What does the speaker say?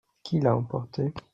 Qui l'a emporté ?